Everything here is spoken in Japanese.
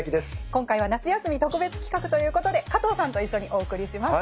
今回は夏休み特別企画ということで加藤さんと一緒にお送りします。